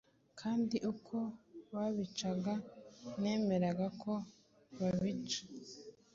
Kandi uko babicaga nemeraga ko babica”.